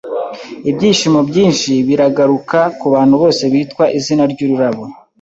Ibyishimo byinshi biragaruka kubantu bose bitwa izina ryururabo!